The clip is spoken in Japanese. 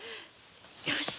よし。